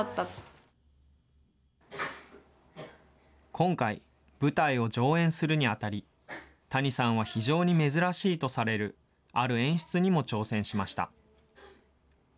今回、舞台を上演するにあたり、谷さんは非常に珍しいとされる、ある演出にも挑戦しました。